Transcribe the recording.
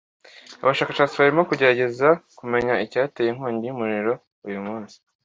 Abashakashatsi barimo kugerageza kumenya icyateye inkongi y'umuriro uyu munsi.